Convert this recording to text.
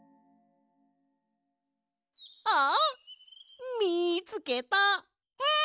あっ！みつけた！え？